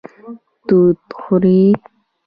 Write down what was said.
توت خوري